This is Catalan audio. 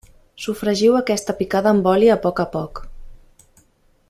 Sofregiu aquesta picada amb oli a poc a poc.